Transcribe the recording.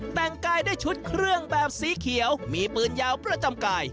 แต่งกายด้วยชุดเครื่องแบบสีเขียวมีปืนยาวประจำกาย